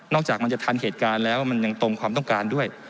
จากมันจะทันเหตุการณ์แล้วมันยังตรงความต้องการด้วย